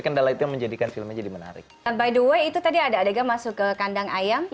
kendala itu menjadikan film jadi menarik by the way itu tadi ada adegan masuk ke kandang ayam